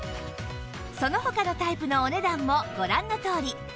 その他のタイプのお値段もご覧のとおり